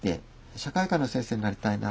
社会科の先生になりたいなと。